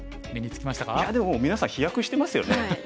いやでもみなさん飛躍してますよね。